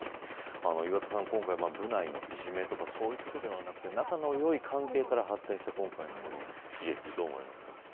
岩田さん、今回部内のいじめとかそういうことではなくて仲のいい関係から発展した今回のこの悲劇、どう思われますか。